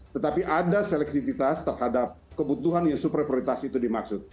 tetapi ada seleksiitas terhadap kebutuhan yang super prioritas itu dimaksud